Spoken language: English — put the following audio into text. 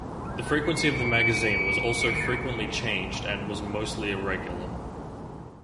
The frequency of the magazine was also frequently changed and was mostly irregular.